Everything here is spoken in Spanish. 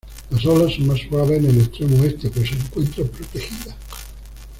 Las olas son más suaves en el extremo oeste pues se encuentran protegidas.